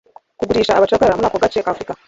kugurisha abacakara muri ako gace ka Afurika